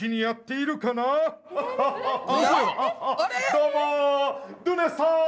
どうも。